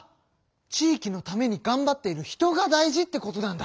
地域のためにがんばっている人が大事ってことなんだ！